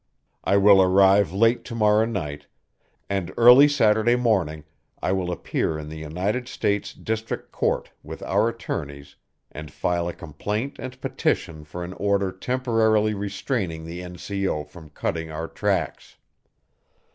I will arrive late to morrow night, and early Saturday morning I will appear in the United States District Court with our attorneys and file a complaint and petition for an order temporarily restraining the N.C.O. from cutting our tracks.